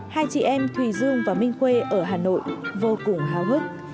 hai chị em thùy dương và minh khuê ở hà nội vô cùng hào hức